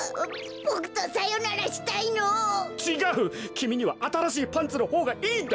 きみにはあたらしいパンツのほうがいいんだ。